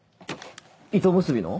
糸結びの？